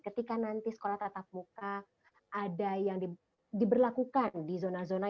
ketika nanti sekolah tatap muka ada yang diberlakukan di zona zona